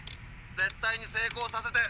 絶対に成功させて」。